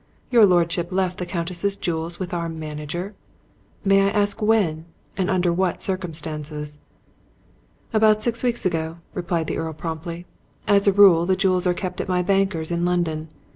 Your lordship left the Countess's jewels with our manager? May I ask when and under what circumstances?" "About six weeks ago," replied the Earl promptly. "As a rule the jewels are kept at my bankers in London.